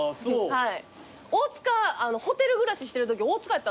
はい。